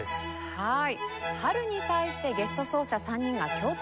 はい。